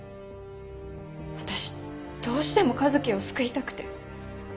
私どうしても和樹を救いたくて。